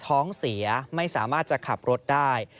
ท้องเสียไม่สามารถจะขับรถได้